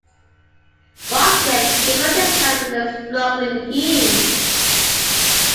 Once again, he found himself with a struggling team.